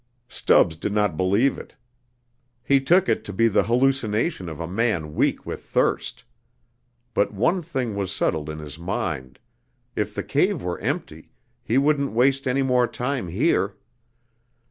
Stubbs did not believe it. He took it to be the hallucination of a man weak with thirst. But one thing was settled in his mind: if the cave were empty, he wouldn't waste any more time here.